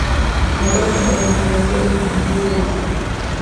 La cuarta temporada será el cierre definitivo de la serie.